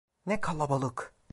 Ne kalabalık!